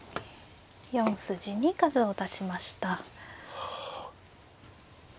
４筋に数を足しました。